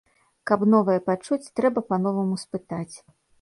Каб новае пачуць, трэба па-новаму спытаць.